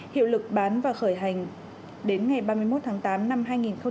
hiệu lực bán và khởi hành đến ngày ba mươi một tháng tám năm hai nghìn hai mươi